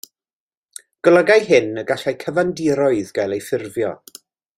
Golygai hyn y gallai cyfandiroedd gael eu ffurfio.